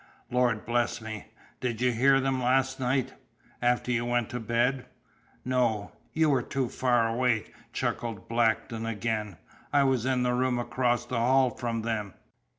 Lord bless me, did you hear them last night after you went to bed?" "No." "You were too far away," chuckled Blackton again, "I was in the room across the hall from them.